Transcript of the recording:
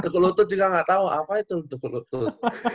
tukut lutut juga gak tau apa itu tukut lutut